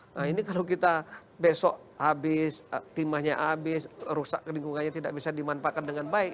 nah ini kalau kita besok habis timahnya habis rusak lingkungannya tidak bisa dimanfaatkan dengan baik